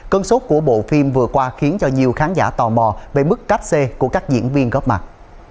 cơn sốt của bộ phim vừa qua khiến cho nhiều khán giả tò mò về mức cách xê của các diễn viên góp mặt